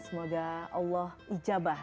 semoga allah ijabah